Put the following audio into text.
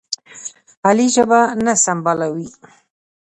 علي ژبه نه سنبالوي.